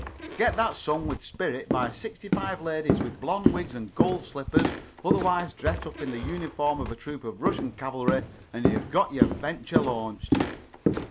"Get that sung with spirit by sixty five ladies with blond wigs and gold slippers, otherwise dressed up in the uniform of a troop of Russian cavalry, and you've got your venture launched."